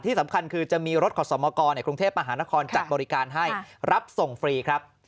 ที่สำคัญคือจะมีรถขอสมกรในกรุงเทพมหานครจัดบริการให้รับส่งฟรีครับ